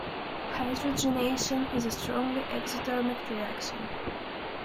Hydrogenation is a strongly exothermic reaction.